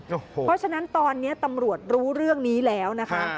เพราะฉะนั้นตอนนี้ตำรวจรู้เรื่องนี้แล้วนะคะ